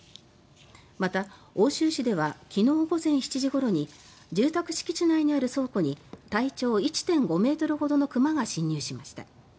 また、奥州市では昨日午前７時ごろに住宅敷地内にある倉庫に体長１．５ｍほどの熊が侵入しました。